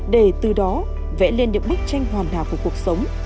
để từ đó vẽ lên những bức tranh hoàn hảo của cuộc sống